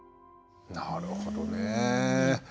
なるほどねえ。